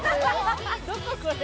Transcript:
どここれ。